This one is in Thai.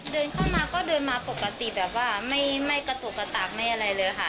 เดินเข้ามาก็เดินมาปกติแบบว่าไม่กระตุกกระตากไม่อะไรเลยค่ะ